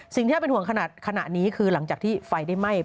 สิ่งที่น่าเป็นห่วงขนาดนี้คือหลังจากที่ไฟได้ไหม้